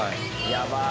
やばい！